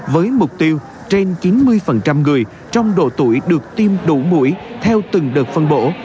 với mục tiêu trên chín mươi người trong độ tuổi được tiêm đủ mũi theo từng đợt phân bổ